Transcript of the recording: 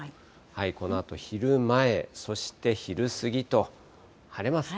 このあと昼前、そして昼過ぎと、晴れますね。